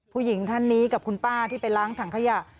ผู้หญิงท่านนี้กับคุณป้าที่ไปล้างถังขยะ